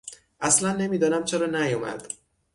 اصلا نمیدانم چرا نیامد.